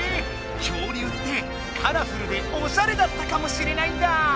恐竜ってカラフルでオシャレだったかもしれないんだ。